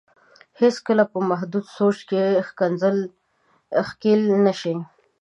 هېڅ کله په محدود سوچ کې ښکېل نه شي.